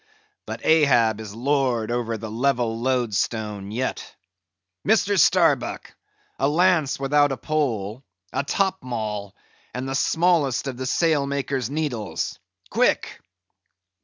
But Ahab is lord over the level loadstone yet. Mr. Starbuck—a lance without a pole; a top maul, and the smallest of the sail maker's needles. Quick!"